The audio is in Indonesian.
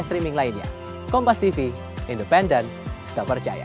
streaming lainnya kompas tv independen tak percaya